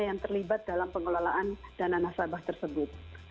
yang terlibat dalam pengelolaan dana nasabah tersebut